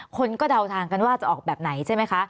คนก็เดาทางกันว่าจะออกแบบไหนใช่ไหมคะ